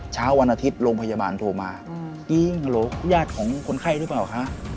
เช้าวันอาทิตย์โรงพยาบาลโทรมายิงหรือญาติของคนไข้หรือเปล่าคะ